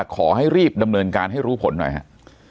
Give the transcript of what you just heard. ขอให้รีบดำเนินการให้รู้ผลหน่อยฮะ